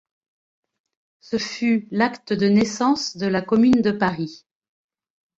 Ce fut l'acte de naissance de la Commune de Paris.